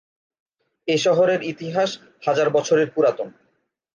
এ শহরের ইতিহাস হাজার বছরের পুরাতন।